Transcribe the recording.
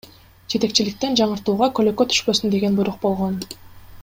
Жетекчиликтен жаңыртууга көлөкө түшпөсүн деген буйрук болгон.